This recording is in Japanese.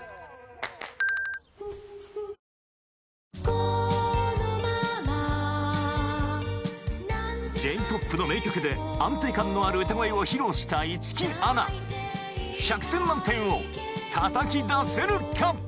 このまま「Ｊ−ＰＯＰ」の名曲で安定感のある歌声を披露した市來アナ１００点満点をたたき出せるか？